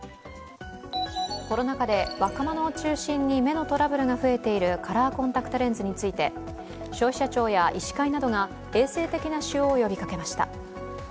コロナ禍で若者を中心に目のトラブルが増えているカラーコンタクトレンズについて消費者庁や医師会などが衛生的な使用を呼びかけました。